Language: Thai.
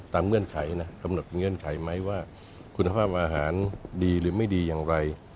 เงื่อนไขนะกำหนดเงื่อนไขไหมว่าคุณภาพอาหารดีหรือไม่ดีอย่างไร